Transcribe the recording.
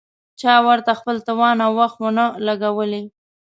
چا ورته خپل توان او وخت ونه لګولې.